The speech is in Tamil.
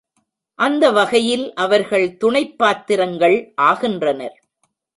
அந்த வகையில் அவர்கள் துணைப் பாத்திரங்கள் ஆகின்றனர்.